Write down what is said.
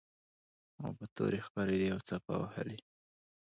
اوبه تورې ښکاریدې او څپه وهلې.